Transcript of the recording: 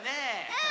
うん！